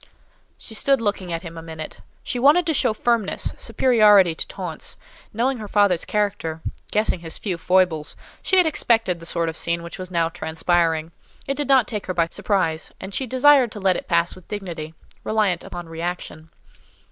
She stood looking at him a minute. She wanted to show firmness, superiority to taunts; knowing her father's character, guessing his few foibles, she had expected the sort of scene which was now transpiring; it did not take her by surprise, and she desired to let it pass with dignity, reliant upon reaction.